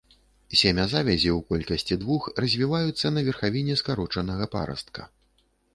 Семязавязі ў колькасці двух развіваюцца на верхавіне скарочанага парастка.